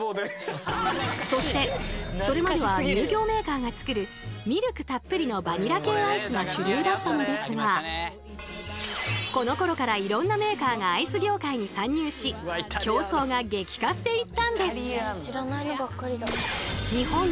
そしてそれまでは乳業メーカーが作るミルクたっぷりのバニラ系アイスが主流だったのですがこのころからいろんなメーカーがアイス業界に参入し競争が激化していったんです！